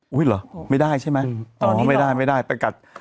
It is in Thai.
โอ้ยหรอไม่ได้ใช่ไหมเออไม่ได้แต่กะ